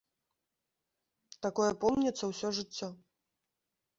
Такое помніцца ўсё жыццё.